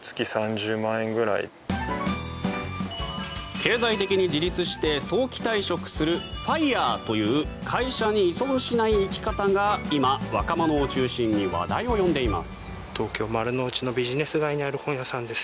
経済的に自立して早期退職するＦＩＲＥという会社に依存しない生き方が今、若者を中心に話題を呼んでいます。